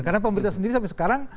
karena pemerintah sendiri sampai sekarang